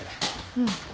うん。